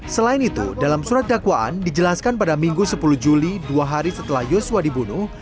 selain itu dalam surat dakwaan dijelaskan pada minggu sepuluh juli dua hari setelah yosua dibunuh